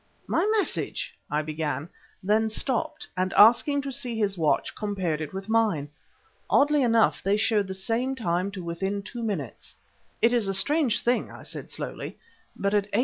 "My message " I began, then stopped, and asking to see his watch, compared it with mine. Oddly enough, they showed the same time to within two minutes. "It is a strange thing," I said slowly, "but at 8.